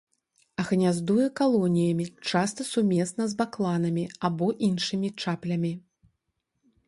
Гняздуе калоніямі, часта сумесна з бакланамі або іншымі чаплямі.